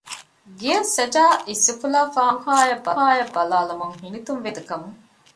ގެއަށް ސަޖާ އިސްއުފުލާލައި މަމްދޫހާއަށް ބަލާލަމުން ހިނިތުންވެލީ ގަދަކަމުން